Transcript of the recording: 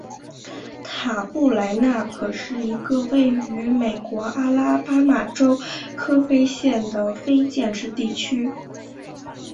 塔布莱纳可是一个位于美国阿拉巴马州科菲县的非建制地区。